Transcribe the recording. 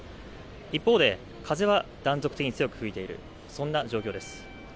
一方で風は断続的に強く吹いている、そんな状況です。